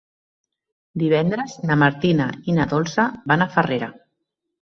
Divendres na Martina i na Dolça van a Farrera.